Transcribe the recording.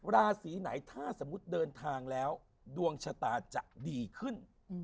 ราศีไหนถ้าสมมุติเดินทางแล้วดวงชะตาจะดีขึ้น